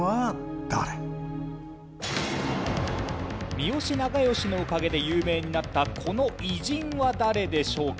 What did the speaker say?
三好長慶のおかげで有名になったこの偉人は誰でしょうか？